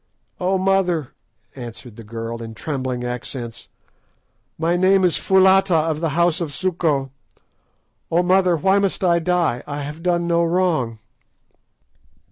"Oh, mother," answered the girl, in trembling accents, "my name is Foulata, of the house of Suko. Oh, mother, why must I die? I have done no wrong!"